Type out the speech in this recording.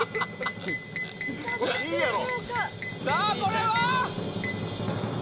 さあこれは？